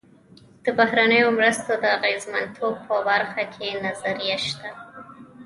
د بهرنیو مرستو د اغېزمنتوب په برخه کې نظریه شته.